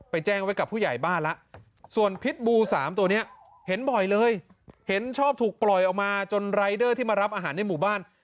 แจ้งไว้กับผู้ใหญ่บ้านแล้วส่วนพิษบู๓ตัวนี้เห็นบ่อยเลยเห็นชอบถูกปล่อยออกมาจนรายเดอร์ที่มารับอาหารในหมู่บ้าน